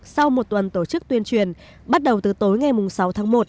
sau một tuần tổ chức tuyên truyền bắt đầu từ tối ngày sáu tháng một